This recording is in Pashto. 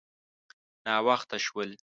_ناوخته شول.